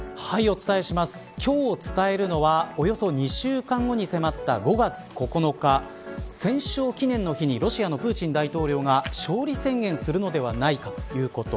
今日伝えるのはおよそ２週間後に迫った５月９日戦勝記念の日にロシアのプーチン大統領が勝利宣言するのではないかということ。